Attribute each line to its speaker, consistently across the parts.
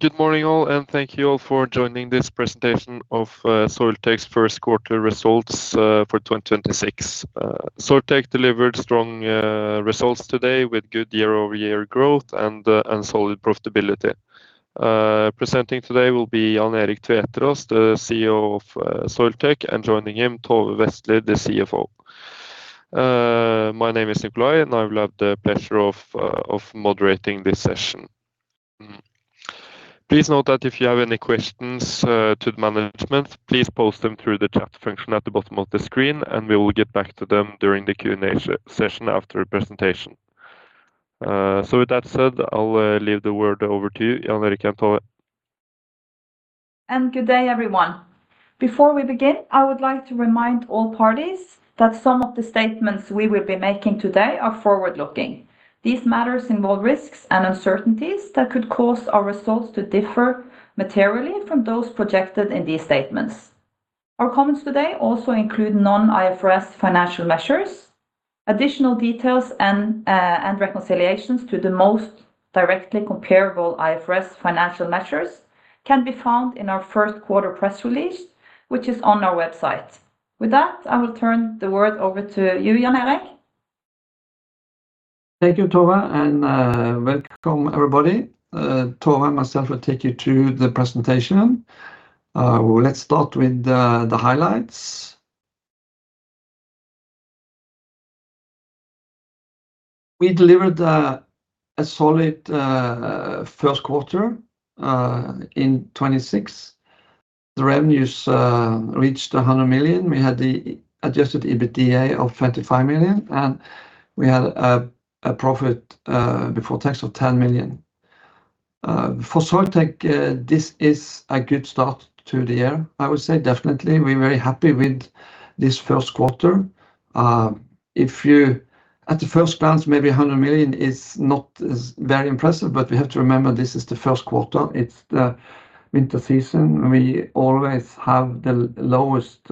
Speaker 1: Good morning all, and thank you all for joining this presentation of Soiltech's First Quarter Results for 2026. Soiltech delivered strong results today with good year-over-year growth and solid profitability. Presenting today will be Jan Erik Tveteraas, the CEO of Soiltech, and joining him, Tove Vestlie, the CFO. My name is Nicolai, and I'll have the pleasure of moderating this session. Please note that if you have any questions to the management, please post them through the chat function at the bottom of the screen, and we will get back to them during the Q&A session after the presentation. With that said, I'll leave the word over to you, Jan Erik and Tove.
Speaker 2: Good day, everyone. Before we begin, I would like to remind all parties that some of the statements we will be making today are forward-looking. These matters involve risks and uncertainties that could cause our results to differ materially from those projected in these statements. Our comments today also include non-IFRS financial measures. Additional details and reconciliations to the most directly comparable IFRS financial measures can be found in our first quarter press release, which is on our website. With that, I will turn the word over to you, Jan Erik.
Speaker 3: Thank you, Tove, welcome everybody. Tove and myself will take you through the presentation. Let's start with the highlights. We delivered a solid first quarter in 2026. The revenues reached 100 million. We had the adjusted EBITDA of 25 million, we had a profit before tax of 10 million. For Soiltech, this is a good start to the year, I would say definitely. We're very happy with this first quarter. If at the first glance, maybe 100 million is not as very impressive, we have to remember this is the first quarter. It's the winter season. We always have the lowest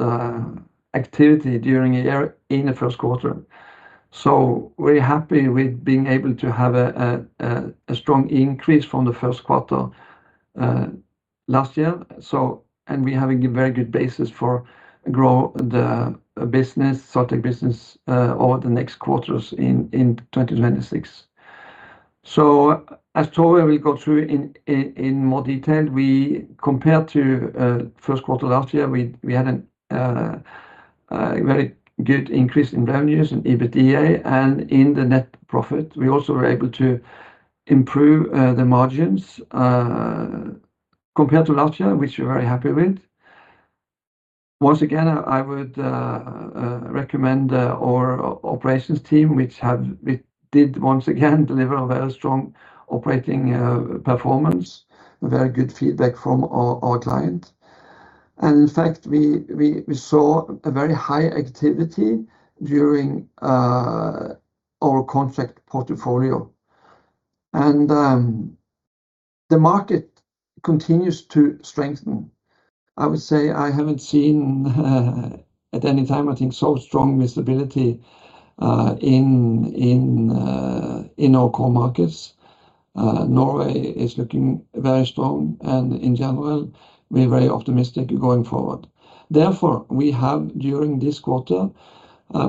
Speaker 3: activity during a year in the first quarter. We're happy with being able to have a strong increase from the first quarter last year. We're having a very good basis for grow the business, Soiltech business, over the next quarters in 2026. As Tove will go through in more detail, we compared to first quarter last year, we had a very good increase in revenues and EBITDA and in the net profit. We also were able to improve the margins compared to last year, which we're very happy with. Once again, I would recommend our operations team, we did once again deliver a very strong operating performance, very good feedback from our client. In fact, we saw a very high activity during our contract portfolio. The market continues to strengthen. I would say I haven't seen at any time, I think so strong visibility in our core markets. Norway is looking very strong and in general we're very optimistic going forward. Therefore, we have during this quarter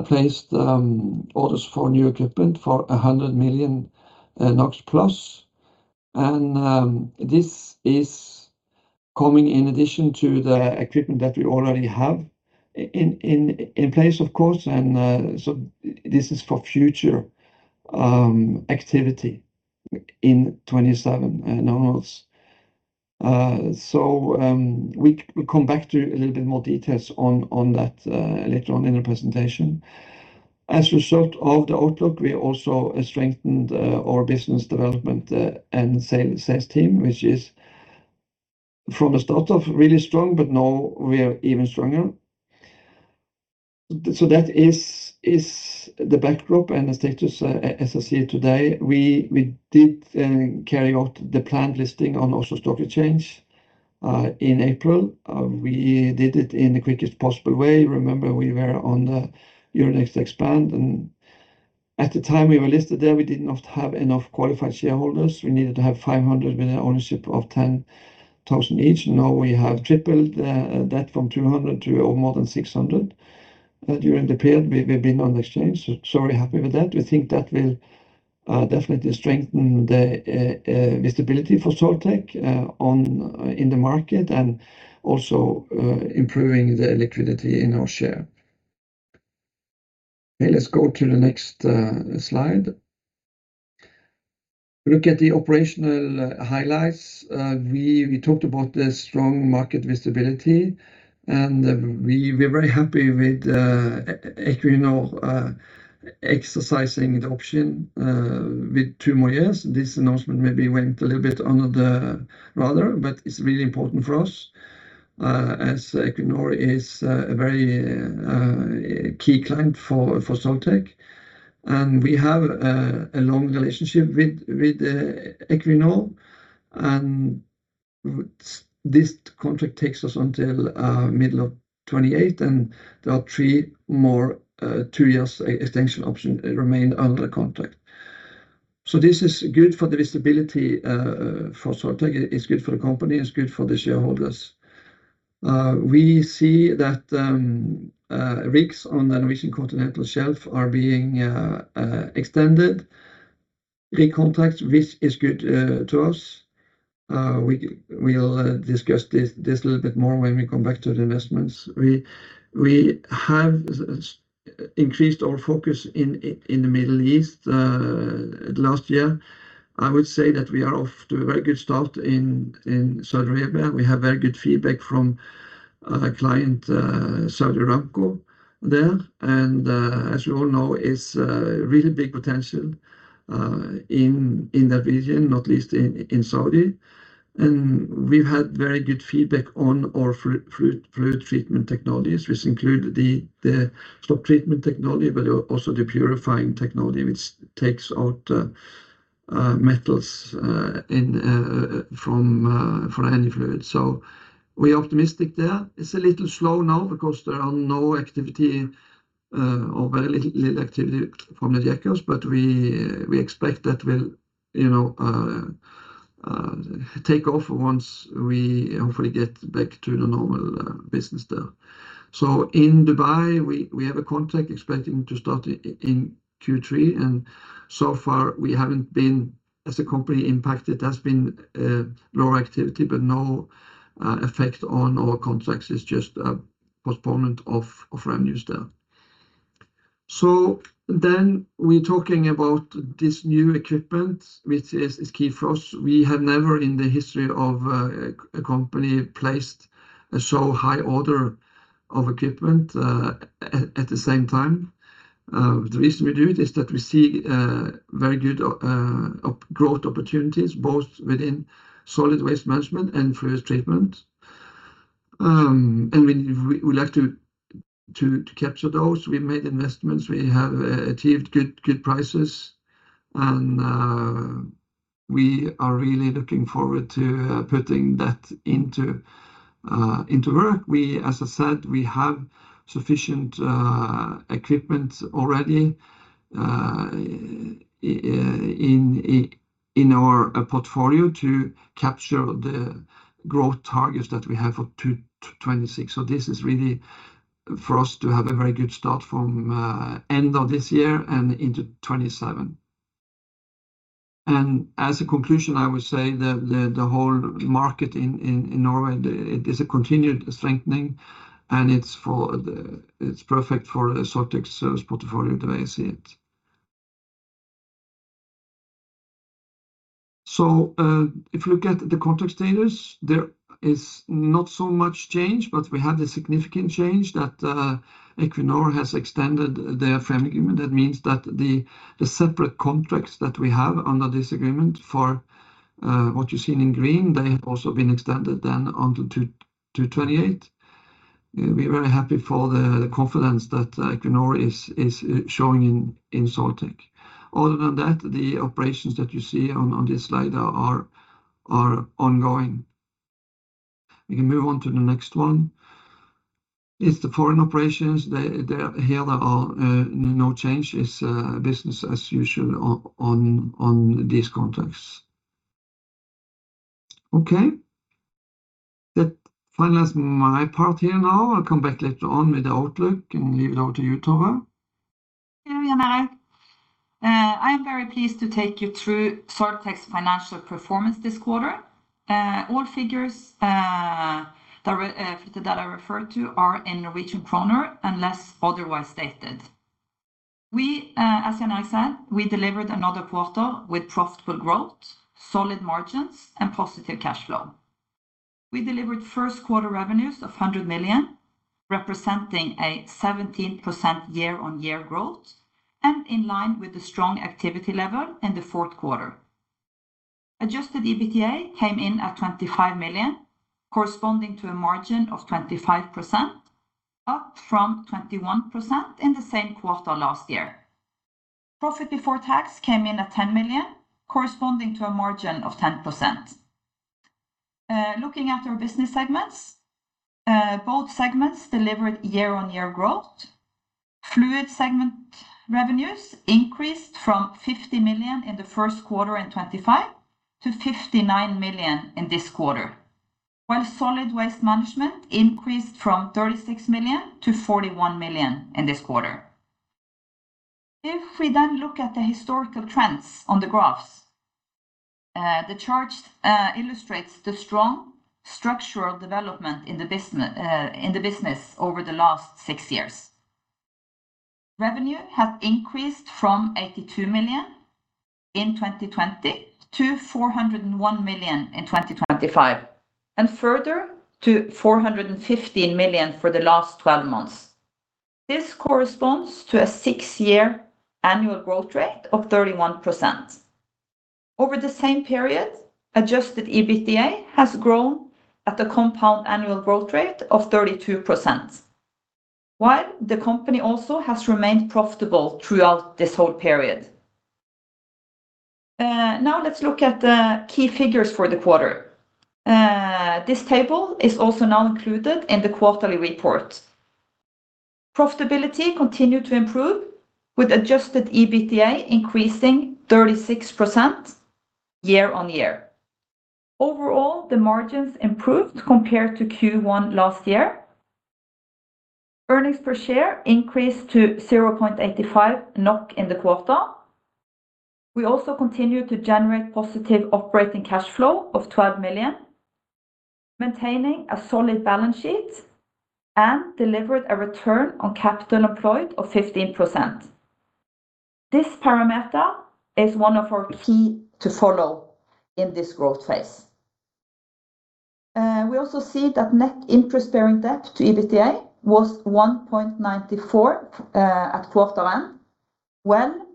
Speaker 3: placed orders for new equipment for 100 million NOK+. This is coming in addition to the equipment that we already have in place, of course. This is for future activity in 2027 and onwards. We come back to a little bit more details on that later on in the presentation. As a result of the outlook, we also strengthened our business development and sales team, which is from the start of really strong, but now we are even stronger. That is the backdrop and the status as I see it today. We did carry out the planned listing on Oslo Stock Exchange in April. We did it in the quickest possible way. Remember, we were on the Euronext Expand, and at the time we were listed there, we did not have enough qualified shareholders. We needed to have 500 with an ownership of 10,000 each. Now we have tripled that from 200 to over more than 600 during the period we've been on the exchange. Very happy with that. We think that will definitely strengthen the visibility for Soiltech on in the market and also improving the liquidity in our share. Okay, let's go to the next slide. Look at the operational highlights. We talked about the strong market visibility, we're very happy with Equinor exercising the option with two more years. This announcement maybe went a little bit under the radar, it's really important for us as Equinor is a very key client for Soiltech. We have a long relationship with Equinor. This contract takes us until middle of 2028, there are three more two years extension option remain under the contract. This is good for the visibility for Soiltech. It's good for the company, it's good for the shareholders. We see that rigs on the Norwegian Continental Shelf are being extended. Recontract, which is good to us. We'll discuss this a little bit more when we come back to the investments. We have increased our focus in the Middle East last year. I would say that we are off to a very good start in Saudi Arabia. We have very good feedback from client Saudi Aramco there. As you all know, it's really big potential in that region, not least in Saudi. We've had very good feedback on our Fluid Treatment technologies, which include the Slop Treatment Technology, but also the Purifying Technology, which takes out metals in from any fluid. We're optimistic there. It's a little slow now because there are no activity, or very little activity from the jack-ups, we expect that we'll, you know, take off once we hopefully get back to the normal business there. In Dubai, we have a contract expecting to start in Q3, so far we haven't been as a company impacted. There's been lower activity, no effect on our contracts. It's just a postponement of revenues there. We're talking about this new equipment, which is key for us. We have never in the history of a company placed so high order of equipment at the same time. The reason we do it is that we see very good growth opportunities, both within Solid Waste Management and Fluid Treatment. We would like to capture those. We made investments. We have achieved good prices, we are really looking forward to putting that into work. We, as I said, have sufficient equipment already in our portfolio to capture the growth targets that we have for 2026. This is really for us to have a very good start from end of this year and into 2027. As a conclusion, I would say the whole market in Norway, it is a continued strengthening, it's perfect for Soiltech service portfolio, the way I see it. If you look at the contract status, there is not so much change, but we have the significant change that Equinor has extended their frame agreement. That means that the separate contracts that we have under this agreement for what you see in green, they have also been extended then onto to 2028. We're very happy for the confidence that Equinor is showing in Soiltech. Other than that, the operations that you see on this slide are ongoing. We can move on to the next one. It's the foreign operations. Here there are no change. It's business as usual on these contracts. Okay. That finalize my part here now. I'll come back later on with the outlook and leave it over to you, Tove.
Speaker 2: Thank you, Jan Erik. I am very pleased to take you through Soiltech's financial performance this quarter. All figures that I refer to are in Norwegian kroner unless otherwise stated. We, as Jan Erik said, we delivered another quarter with profitable growth, solid margins, and positive cash flow. We delivered first quarter revenues of 100 million, representing a 17% year-on-year growth and in line with the strong activity level in the fourth quarter. Adjusted EBITDA came in at 25 million, corresponding to a margin of 25%, up from 21% in the same quarter last year. Profit before tax came in at 10 million, corresponding to a margin of 10%. Looking at our business segments, both segments delivered year-on-year growth. Fluid segment revenues increased from 50 million in the first quarter in 2025 to 59 million in this quarter, while Solid Waste Management increased from 36 million-41 million in this quarter. If we then look at the historical trends on the graphs, the charts illustrates the strong structural development in the business over the last six years. Revenue has increased from 82 million in 2020 to 401 million in 2025, and further to 415 million for the last 12 months. This corresponds to a six-year annual growth rate of 31%. Over the same period, adjusted EBITDA has grown at a compound annual growth rate of 32%, while the company also has remained profitable throughout this whole period. Now let's look at the key figures for the quarter. This table is also now included in the quarterly report. Profitability continued to improve with adjusted EBITDA increasing 36% year-on-year. Overall, the margins improved compared to Q1 last year. Earnings per share increased to 0.85 NOK in the quarter. We also continued to generate positive operating cash flow of 12 million, maintaining a solid balance sheet and delivered a return on capital employed of 15%. This parameter is one of our key to follow in this growth phase. We also see that net interest-bearing debt to EBITDA was 1.94x at quarter-end, well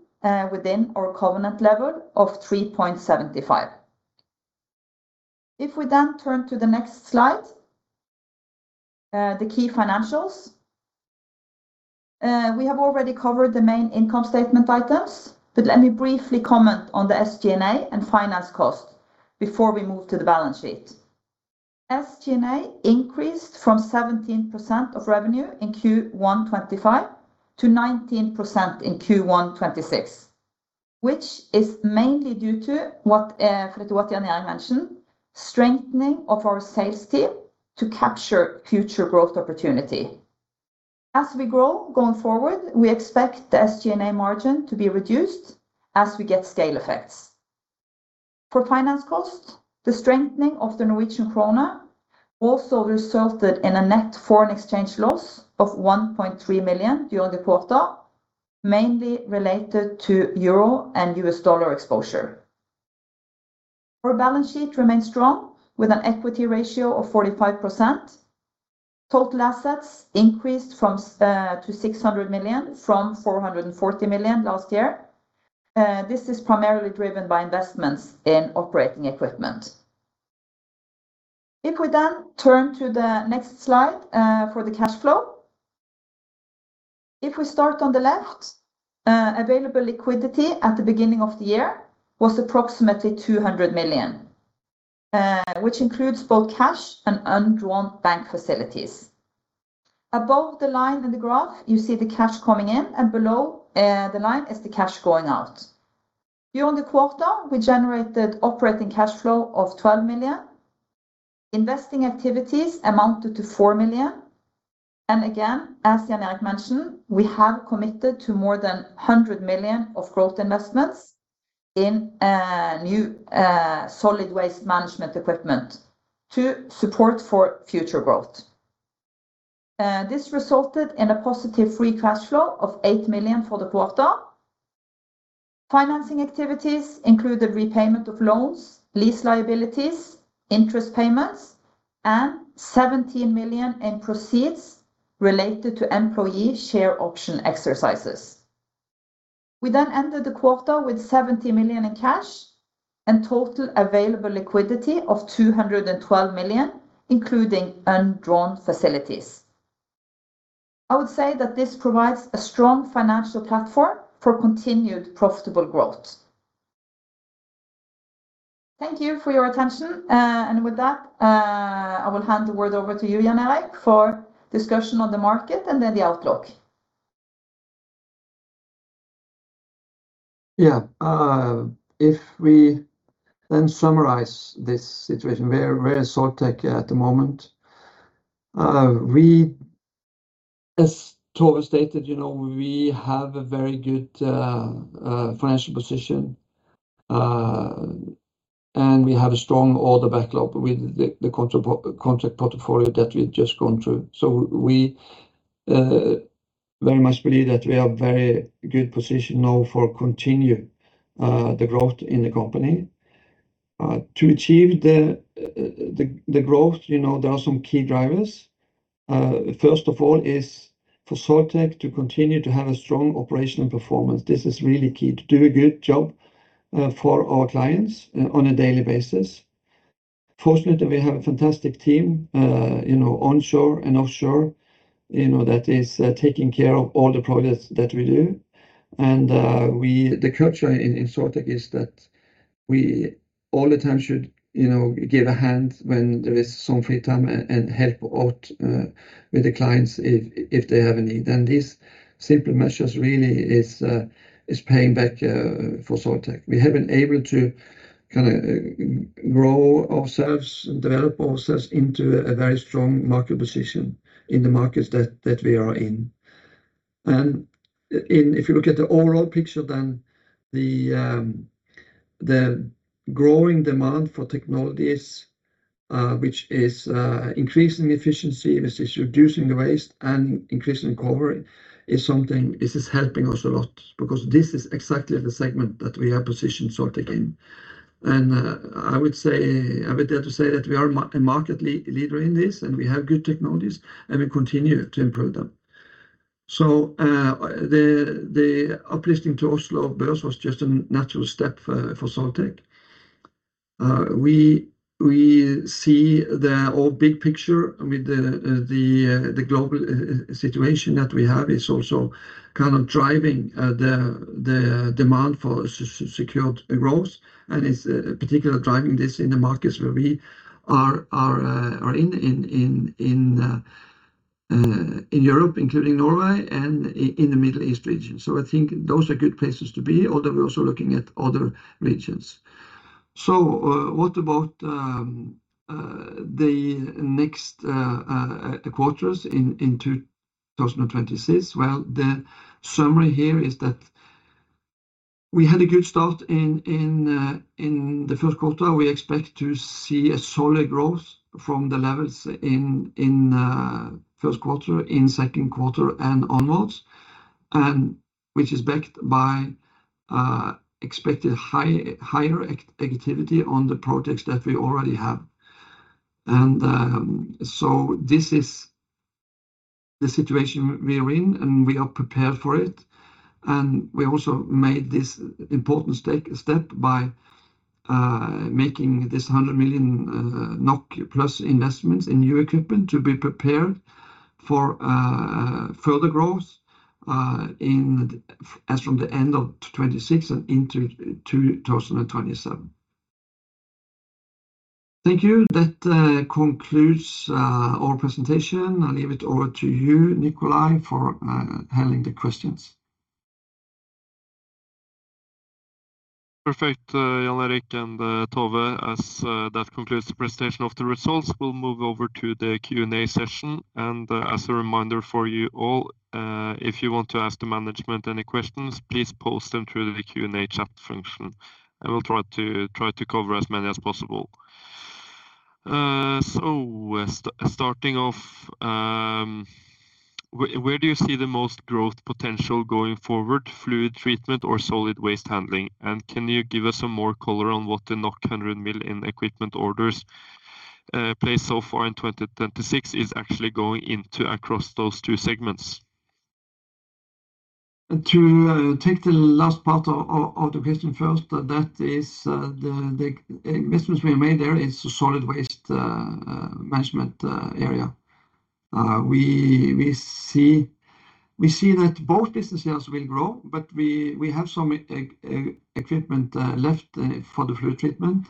Speaker 2: within our covenant level of 3.75x. We then turn to the next slide, the key financials. We have already covered the main income statement items. Let me briefly comment on the SG&A and finance cost before we move to the balance sheet. SG&A increased from 17% of revenue in Q1 2025 to 19% in Q1 2026, which is mainly due to what Jan Erik mentioned, strengthening of our sales team to capture future growth opportunity. As we grow going forward, we expect the SG&A margin to be reduced as we get scale effects. For finance cost, the strengthening of the Norwegian kroner also resulted in a net foreign exchange loss of 1.3 million during the quarter, mainly related to euro and U.S. dollar exposure. Our balance sheet remains strong with an equity ratio of 45%. Total assets increased from to 600 million from 440 million last year. This is primarily driven by investments in operating equipment. We then turn to the next slide for the cash flow. We start on the left, available liquidity at the beginning of the year was approximately 200 million, which includes both cash and undrawn bank facilities. Above the line in the graph, you see the cash coming in, and below, the line is the cash going out. During the quarter, we generated operating cash flow of 12 million. Investing activities amounted to 4 million. Again, as Jan Erik mentioned, we have committed to more than 100 million of growth investments in new Solid Waste Management equipment to support for future growth. This resulted in a positive free cash flow of 8 million for the quarter. Financing activities include the repayment of loans, lease liabilities, interest payments, and 17 million in proceeds related to employee share option exercises. We ended the quarter with 70 million in cash and total available liquidity of 212 million, including undrawn facilities. I would say that this provides a strong financial platform for continued profitable growth. Thank you for your attention. With that, I will hand the word over to you, Jan Erik, for discussion on the market and the outlook.
Speaker 3: If we summarize this situation, where is Soiltech at the moment? As Tove stated, you know, we have a very good financial position, and we have a strong order backlog with the contract portfolio that we've just gone through. We very much believe that we are very good position now for continue the growth in the company. To achieve the growth, you know, there are some key drivers. First of all is for Soiltech to continue to have a strong operational performance. This is really key to do a good job for our clients on a daily basis. Fortunately, we have a fantastic team, you know, onshore and offshore, you know, that is taking care of all the projects that we do. The culture in Soiltech is that we all the time should, you know, give a hand when there is some free time and help out with the clients if they have a need. These simple measures really is paying back for Soiltech. We have been able to kind of grow ourselves and develop ourselves into a very strong market position in the markets that we are in. If you look at the overall picture then the growing demand for technologies, which is increasing efficiency, which is reducing waste and increasing recovery is something this is helping us a lot because this is exactly the segment that we have positioned Soiltech in. I would say, I would dare to say that we are a market leader in this, and we have good technologies, and we continue to improve them. The uplisting to Oslo Børs was just a natural step for Soiltech. We see the whole big picture with the global situation that we have is also kind of driving the demand for secured growth, and it's particular driving this in the markets where we are in Europe, including Norway and in the Middle East region. I think those are good places to be, although we're also looking at other regions. What about the next quarters in 2026? Well, the summary here is that we had a good start in the first quarter. We expect to see a solid growth from the levels in first quarter, in second quarter and onwards, which is backed by expected higher activity on the projects that we already have. This is the situation we are in, and we are prepared for it. We also made this important step by making this 100 million NOK+ investments in new equipment to be prepared for further growth as from the end of 2026 and into 2027. Thank you. That concludes our presentation. I leave it over to you, Nicolai, for handling the questions.
Speaker 1: Perfect, Jan Erik and Tove. As that concludes the presentation of the results, we'll move over to the Q&A session. As a reminder for you all, if you want to ask the management any questions, please post them through the Q&A chat function, and we'll try to cover as many as possible. Starting off, where do you see the most growth potential going forward, fluid treatment or solid waste handling? Can you give us some more color on what the 100 million in equipment orders placed so far in 2026 is actually going into across those two segments?
Speaker 3: To take the last part of the question first, that is, the investments we made there is Solid Waste Management area. We see that both business areas will grow, but we have some equipment left for the Fluid Treatment.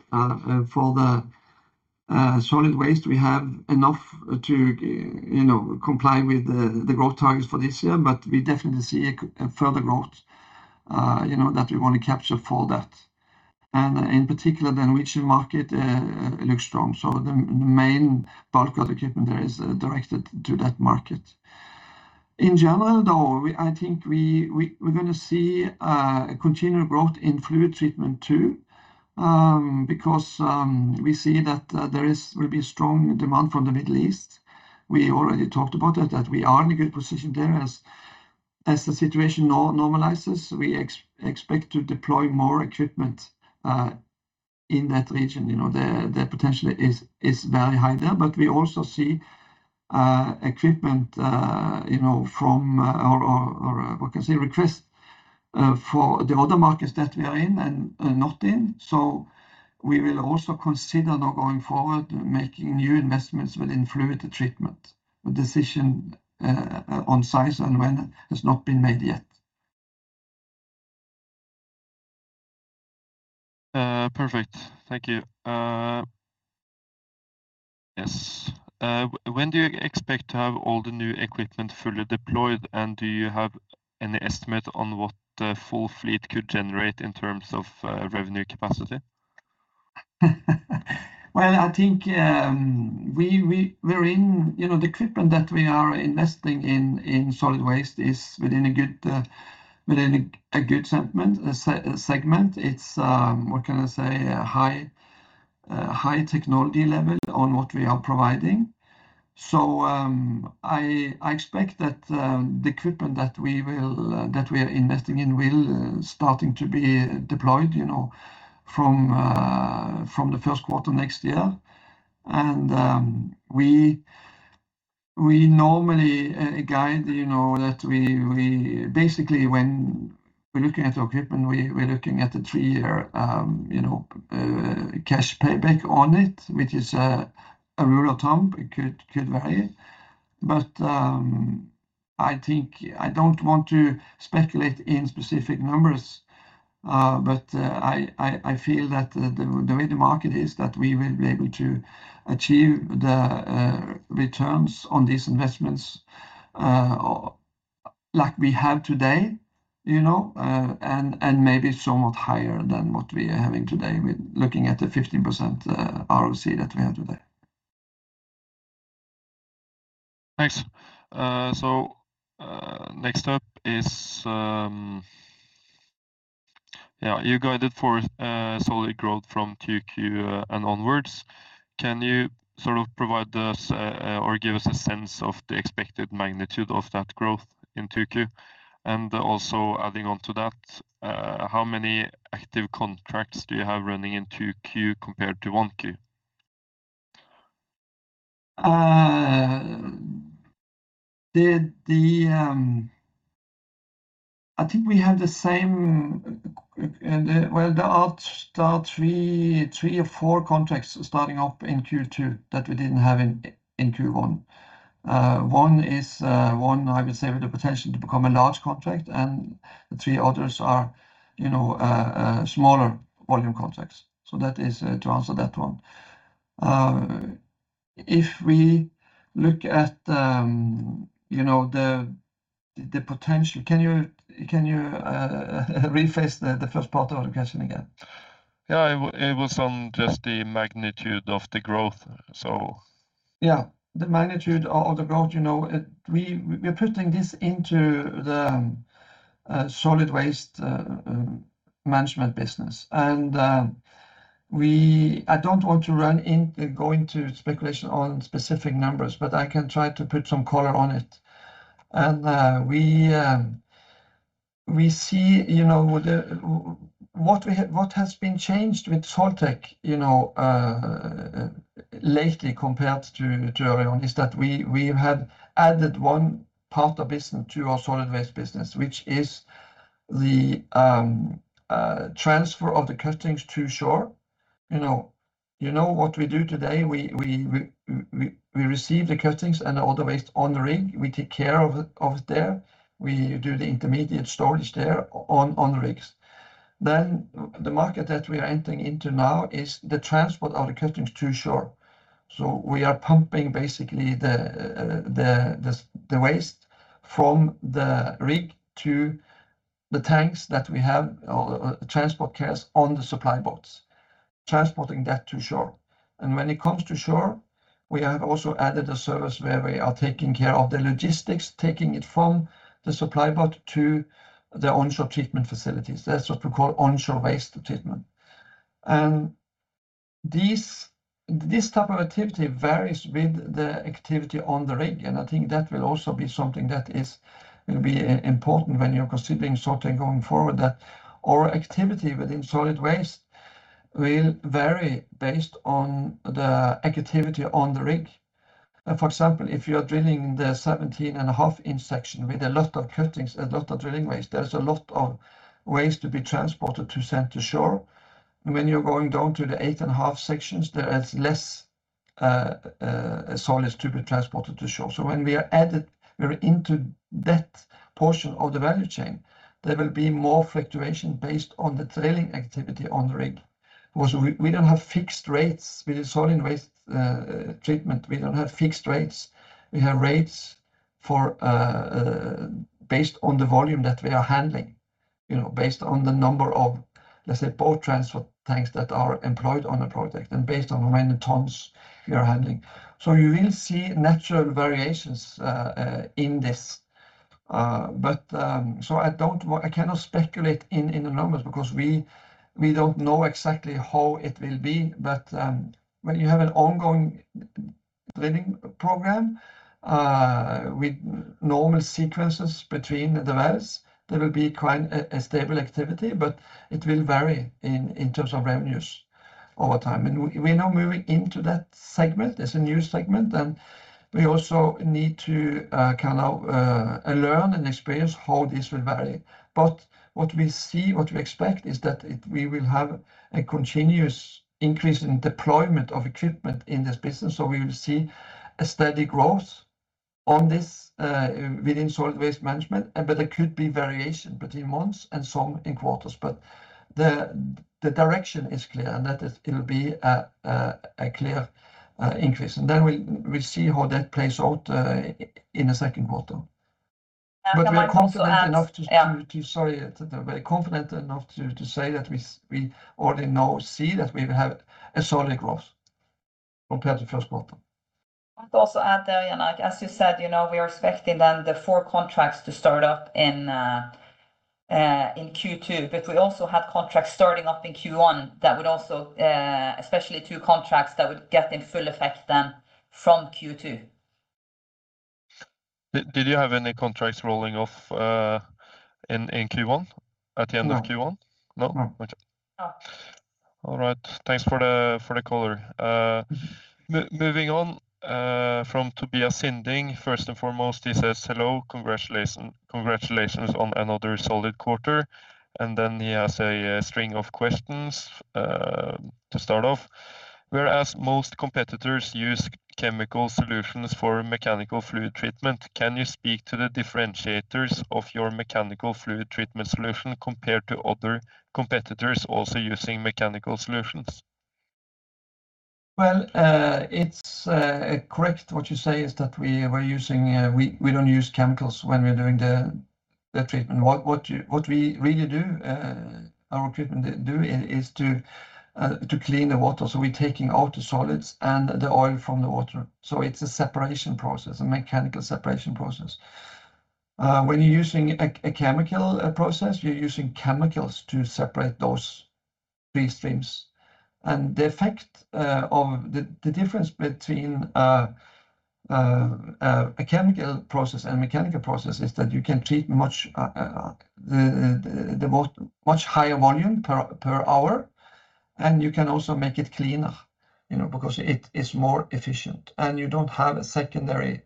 Speaker 3: For the solid waste, we have enough to, you know, comply with the growth targets for this year, but we definitely see a further growth, you know, that we want to capture for that. In particular then, which market looks strong. The main bulk of the equipment there is directed to that market. In general, though, I think we're going to see continued growth in Fluid Treatment too, because we see that there is will be strong demand from the Middle East. We already talked about that we are in a good position there. As the situation normalizes, we expect to deploy more equipment in that region. You know, the potential is very high there. We also see equipment, you know, from or we can say request for the other markets that we are in and not in. We will also consider now going forward making new investments within fluid treatment. The decision on size and when has not been made yet.
Speaker 1: Perfect. Thank you. Yes. When do you expect to have all the new equipment fully deployed? Do you have any estimate on what the full fleet could generate in terms of revenue capacity?
Speaker 3: Well, I think, we're in you know, the equipment that we are investing in in solid waste is within a good segment. It's, what can I say? A high, high technology level on what we are providing. I expect that the equipment that we will that we are investing in will starting to be deployed, you know, from the first quarter next year. We normally guide, you know, that we basically when we're looking at the equipment, we're looking at a three-year, you know, cash payback on it, which is a rule of thumb. It could vary. I think I don't want to speculate in specific numbers, I feel that the way the market is, that we will be able to achieve the returns on these investments, like we have today, you know, and maybe somewhat higher than what we are having today with looking at the 50% ROCE that we have today.
Speaker 1: Thanks. Next up is, you guided for solid growth from 2Q and onwards. Can you sort of provide us or give us a sense of the expected magnitude of that growth in 2Q? Also adding on to that, how many active contracts do you have running in 2Q compared to 1Q?
Speaker 3: I think we have the same, well, there are three or four contracts starting up in Q2 that we didn't have in Q1. One is, one I would say with the potential to become a large contract, and the three others are, you know, smaller volume contracts. That is to answer that one. If we look at, you know, the potential, can you rephrase the first part of the question again?
Speaker 1: Yeah. It was on just the magnitude of the growth, so.
Speaker 3: Yeah, the magnitude of the growth, you know, we are putting this into the Solid Waste Management business. I don't want to go into speculation on specific numbers, but I can try to put some color on it. We see, you know, what has been changed with Soiltech, you know, lately compared to earlier on is that we have added one part of business to our solid waste business, which is the transfer of the cuttings to shore. You know, you know what we do today, we receive the cuttings and all the waste on the rig. We take care of it there. We do the intermediate storage there on the rigs. The market that we are entering into now is the transport of the cuttings to shore. We are pumping basically the waste from the rig to the tanks that we have, or transport carriers on the supply boats, transporting that to shore. When it comes to shore, we have also added a service where we are taking care of the logistics, taking it from the supply boat to the onshore treatment facilities. That's what we call onshore waste treatment. This type of activity varies with the activity on the rig, and I think that will also be something that will be important when you're considering Soiltech going forward, that our activity within solid waste will vary based on the activity on the rig. For example, if you are drilling the 17.5 inch section with a lot of cuttings, a lot of drilling waste, there is a lot of waste to be transported to send to shore. When you're going down to the 8.5 sections, there is less solids to be transported to shore. When we are added very into that portion of the value chain, there will be more fluctuation based on the drilling activity on the rig. Because we don't have fixed rates with the solid waste treatment. We don't have fixed rates. We have rates for based on the volume that we are handling, you know, based on the number of, let's say, boat transfer tanks that are employed on a project and based on how many tons we are handling. You will see natural variations in this. I cannot speculate in the numbers because we don't know exactly how it will be. When you have an ongoing drilling program with normal sequences between the wells, there will be quite a stable activity, but it will vary in terms of revenues over time. We are now moving into that segment as a new segment, and we also need to kind of learn and experience how this will vary. What we see, what we expect is that we will have a continuous increase in deployment of equipment in this business, so we will see a steady growth on this within Solid Waste Management. There could be variation between months and some in quarters. The direction is clear, and that is it'll be a clear increase. Then we'll see how that plays out in the second quarter.
Speaker 2: And I might also add-
Speaker 3: We are confident enough.
Speaker 2: Yeah.
Speaker 3: Sorry. We're confident enough to say that we already now see that we have a solid growth compared to first quarter.
Speaker 2: I might also add there, Jan, like as you said, you know, we are expecting then the four contracts to start up in Q2. We also have contracts starting up in Q1 that would also, especially two contracts that would get in full effect then from Q2.
Speaker 1: Did you have any contracts rolling off in Q1, at the end of Q1?
Speaker 3: No.
Speaker 1: No? Okay.
Speaker 3: No.
Speaker 1: All right. Thanks for the color. Moving on from Tobias Sinding. First and foremost, he says, "Hello. Congratulations on another solid quarter." Then he has a string of questions. To start off, "Whereas most competitors use chemical solutions for mechanical fluid treatment, can you speak to the differentiators of your mechanical fluid treatment solution compared to other competitors also using mechanical solutions?"
Speaker 3: Well, it's correct what you say is that we're using, we don't use chemicals when we're doing the treatment. What we really do, our equipment do is to clean the water. We're taking out the solids and the oil from the water. It's a separation process, a mechanical separation process. When you're using a chemical process, you're using chemicals to separate those three streams. The effect of the difference between a chemical process and mechanical process is that you can treat much the most much higher volume per hour, and you can also make it cleaner, you know, because it is more efficient, and you don't have a secondary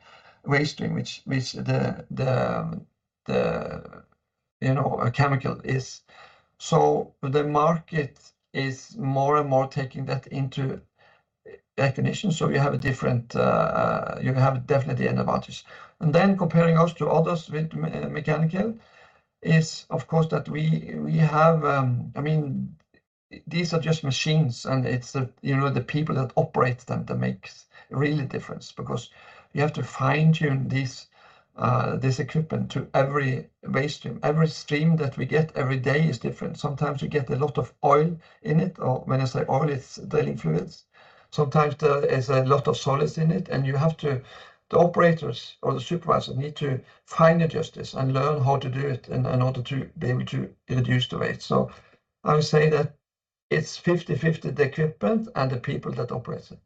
Speaker 3: waste stream, which the, you know, a chemical is. The market is more and more taking that into recognition. You have definitely the advantages. Comparing us to others with mechanical is, of course, that we have, I mean, these are just machines, and it's the, you know, the people that operate them that makes really difference because you have to fine-tune this equipment to every waste stream. Every stream that we get every day is different. Sometimes we get a lot of oil in it, or when I say oil, it's drilling fluids. Sometimes there is a lot of solids in it, The operators or the supervisors need to fine-adjust this and learn how to do it in order to be able to reduce the waste. I would say that it's 50/50, the equipment and the people that operates it.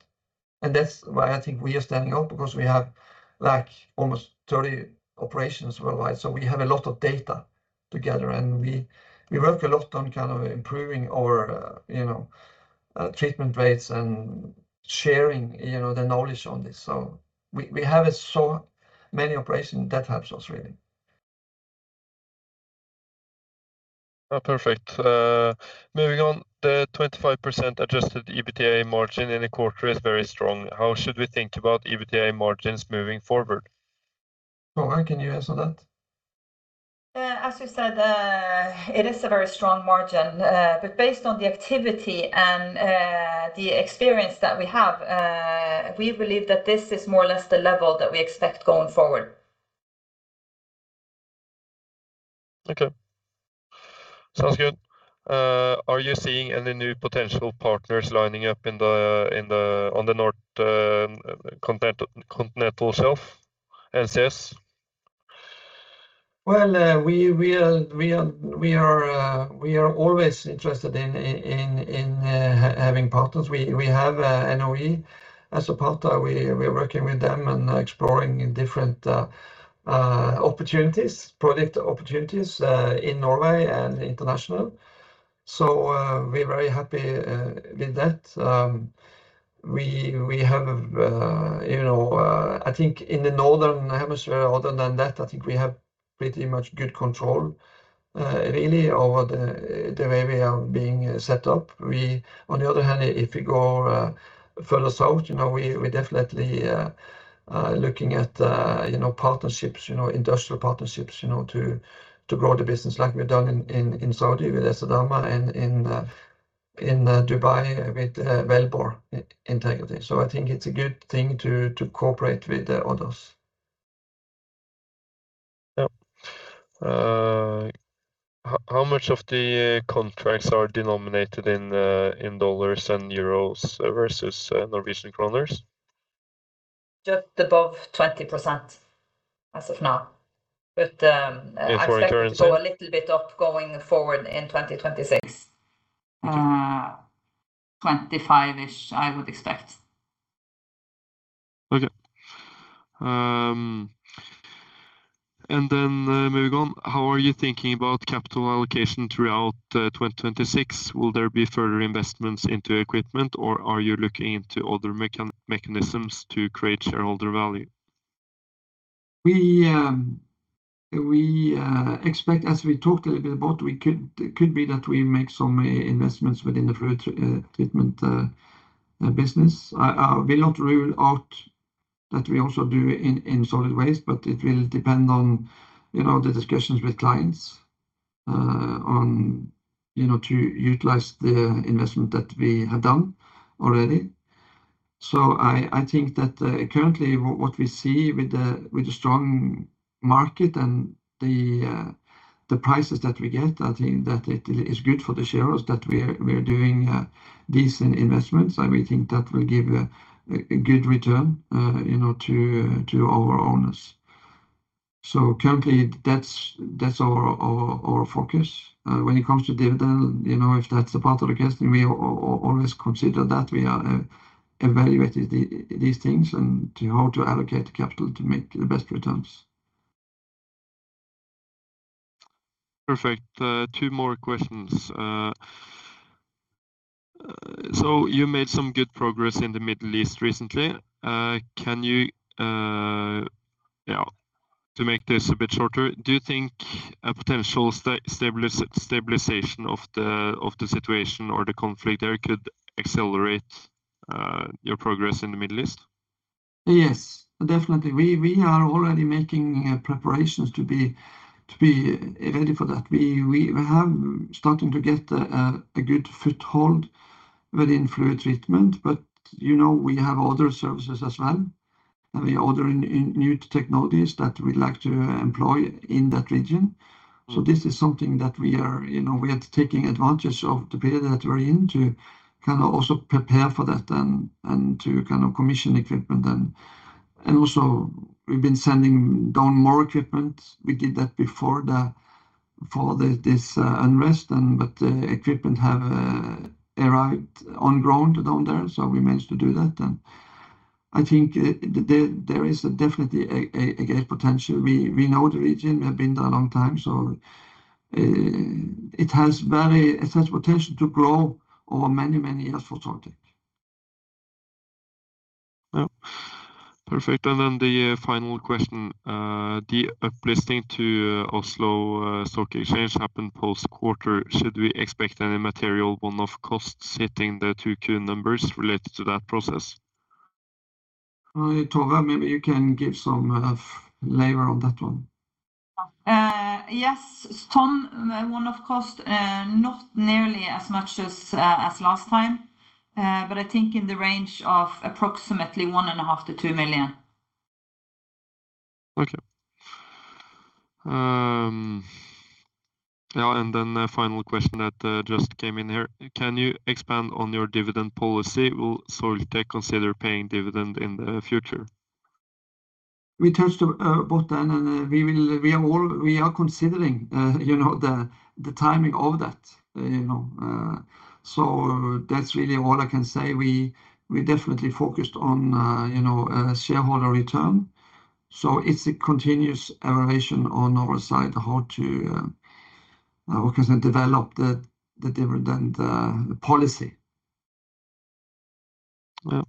Speaker 3: That's why I think we are standing out because we have, like, almost 30 operations worldwide, so we have a lot of data together, and we work a lot on kind of improving our, you know, treatment rates and sharing, you know, the knowledge on this. We have so many operations that helps us really.
Speaker 1: Perfect. Moving on, the 25% adjusted EBITDA margin in the quarter is very strong. How should we think about EBITDA margins moving forward?
Speaker 3: Tove, can you answer that?
Speaker 2: As you said, it is a very strong margin. Based on the activity and the experience that we have, we believe that this is more or less the level that we expect going forward.
Speaker 1: Okay. Sounds good. Are you seeing any new potential partners lining up on the Norwegian Continental Shelf, NCS?
Speaker 3: Well, we are always interested in having partners. We have NOV as a partner. We are working with them and exploring different opportunities, product opportunities in Norway and international. We're very happy with that. We have, you know, I think in the northern hemisphere, other than that, I think we have pretty much good control really over the way we are being set up. On the other hand, if you go further south, you know, we definitely looking at, you know, partnerships, you know, industrial partnerships, you know, to grow the business like we've done in Saudi with Estedama and in Dubai with Wellbore Integrity. I think it's a good thing to cooperate with others.
Speaker 1: Yeah. How much of the contracts are denominated in dollars and euros versus Norwegian kroner?
Speaker 2: Just above 20% as of now.
Speaker 1: In foreign currency.
Speaker 2: I expect it to go a little bit up going forward in 2026.
Speaker 1: Okay.
Speaker 2: 25%-ish, I would expect.
Speaker 1: Okay. Moving on, how are you thinking about capital allocation throughout 2026? Will there be further investments into equipment, or are you looking into other mechanisms to create shareholder value?
Speaker 3: We expect, as we talked a little bit about, we could be that we make some investments within the Fluid Treatment business. I will not rule out that we also do in solid waste, but it will depend on, you know, the discussions with clients on, you know, to utilize the investment that we have done already. I think that currently what we see with the strong market and the prices that we get, I think that it is good for the shareholders that we're doing decent investments, and we think that will give a good return, you know, to our owners. Currently, that's our focus. When it comes to dividend, you know, if that's a part of the question, we always consider that. We are evaluating these things and to how to allocate capital to make the best returns.
Speaker 1: Perfect. Two more questions. You made some good progress in the Middle East recently. Can you, yeah, to make this a bit shorter, do you think a potential stabilization of the situation or the conflict there could accelerate your progress in the Middle East?
Speaker 3: Yes, definitely. We are already making preparations to be ready for that. We have starting to get a good foothold within fluid treatment, but you know, we have other services as well. We are ordering new technologies that we'd like to employ in that region. This is something that we are, you know, we are taking advantage of the period that we're in to kind of also prepare for that and to kind of commission equipment. We've been sending down more equipment. We did that before the for this unrest, but the equipment have arrived on ground down there, so we managed to do that. I think there is definitely a great potential. We know the region, we have been there a long time, it has potential to grow over many, many years for Soiltech.
Speaker 1: Yeah. Perfect. The final question. The uplisting to Oslo Stock Exchange happened post quarter. Should we expect any material one-off costs hitting the two key numbers related to that process?
Speaker 3: Tove, maybe you can give some flavor on that one.
Speaker 2: Yes. [Stone], one-off cost, not nearly as much as last time. But I think in the range of approximately 1.5 million-2 million.
Speaker 1: Okay. Yeah, then the final question that just came in here. Can you expand on your dividend policy? Will Soiltech consider paying dividend in the future?
Speaker 3: We touched about that and We are considering, you know, the timing of that, you know. That's really all I can say. We definitely focused on, you know, shareholder return, so it's a continuous evaluation on our side how to, we can say, develop the dividend policy.
Speaker 1: Yeah.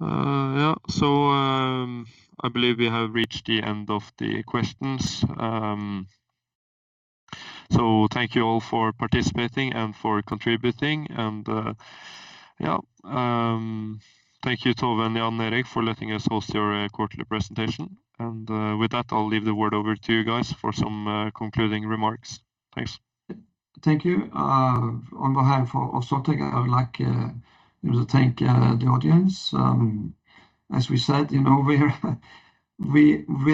Speaker 1: Yeah, I believe we have reached the end of the questions. Thank you all for participating and for contributing and, yeah, thank you, Tove and Jan Erik, for letting us host your quarterly presentation. With that, I'll leave the word over to you guys for some concluding remarks. Thanks.
Speaker 3: Thank you. On behalf of Soiltech, I would like to thank the audience. As we said, you know, we're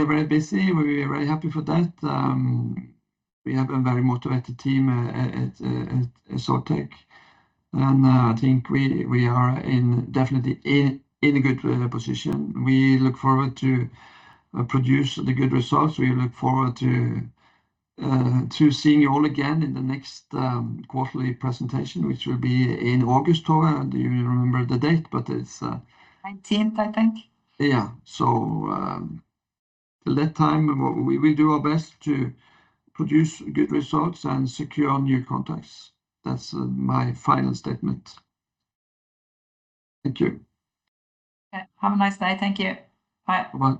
Speaker 3: very busy. We're very happy for that. We have a very motivated team at Soiltech. I think we are in definitely in a good position. We look forward to produce the good results. We look forward to seeing you all again in the next quarterly presentation, which will be in August. Tove, do you remember the date?
Speaker 2: 19th, I think.
Speaker 3: Yeah. Till that time, we will do our best to produce good results and secure new contracts. That's my final statement. Thank you.
Speaker 2: Yeah. Have a nice day. Thank you. Bye.
Speaker 3: Bye.